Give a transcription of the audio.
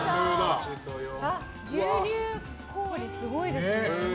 牛乳氷、すごいですね。